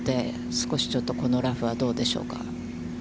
少しこのラフはどうでしょうか。